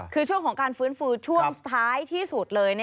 คือช่วงของการฟื้นฟูช่วงท้ายที่สุดเลย